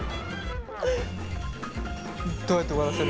どうやって終わらせる？